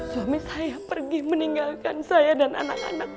suami saya pergi meninggalkan saya dan anak anak